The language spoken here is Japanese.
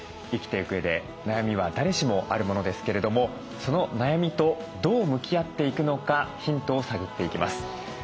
生きていくうえで悩みは誰しもあるものですけれどもその悩みとどう向き合っていくのかヒントを探っていきます。